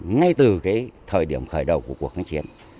ngay từ thời điểm khởi đầu của cuộc kháng chiến